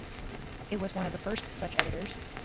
It was one of the first such editors.